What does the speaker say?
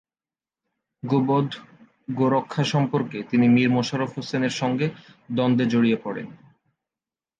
গোবধ-গোরক্ষা সম্পর্কে তিনি মীর মশাররফ হোসেন এর সঙ্গে দ্বন্দ্বে জড়িয়ে পড়েন।